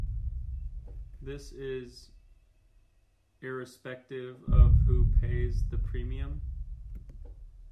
This is irrespective of who pays the premium.